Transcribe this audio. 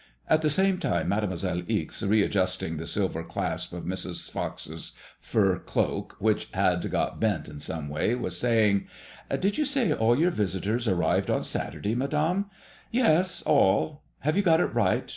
At the same time, Mademoi selle Ixe, readjusting the silver clasp of Mrs. Pox's fur cloak which had got bent in some way, was saying :•* Did you say all your visitors arrived on Saturday, Madame ?" Yes, all. Have you got it right